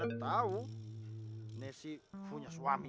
anak tau jengnesi punya suami